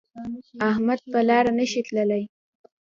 احمد په لاره نشي تللی.